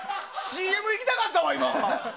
ＣＭ行きたかったわ、今。